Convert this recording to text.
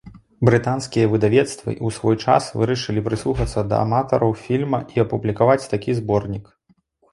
Брытанскія выдавецтвы ў свой час вырашылі прыслухацца да аматараў фільма і апублікаваць такі зборнік.